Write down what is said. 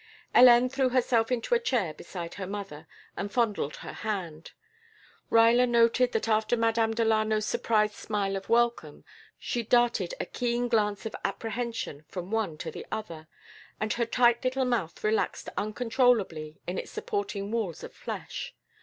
Hélène threw herself into a chair beside her mother and fondled her hand. Ruyler noted that after Madame Delano's surprised smile of welcome she darted a keen glance of apprehension from one to the other, and her tight little mouth relaxed uncontrollably in its supporting walls of flesh.